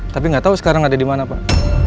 tapi gak tau sekarang ada dimana pak